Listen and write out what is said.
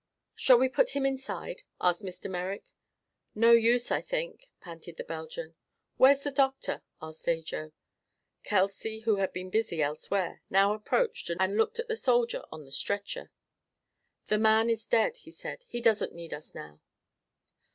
"Shall we put him inside?" asked Mr. Merrick. "No use, I think," panted the Belgian. "Where's the doctor?" asked Ajo. Kelsey, who had been busy elsewhere, now approached and looked at the soldier on the stretcher. "The man is dead," he said. "He doesn't need us now."